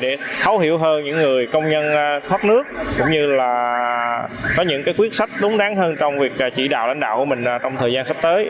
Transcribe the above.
để thấu hiểu hơn những người công nhân thoát nước cũng như là có những quyết sách đúng đáng hơn trong việc chỉ đạo lãnh đạo của mình trong thời gian sắp tới